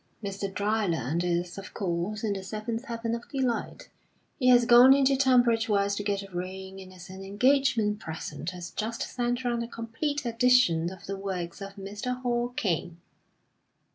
"Mr. Dryland is, of course, in the seventh heaven of delight. He has gone into Tunbridge Wells to get a ring, and as an engagement present has just sent round a complete edition of the works of Mr. Hall Caine.